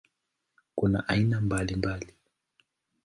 Kuna aina mbalimbali.